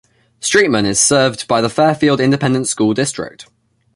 Streetman is served by the Fairfield Independent School District.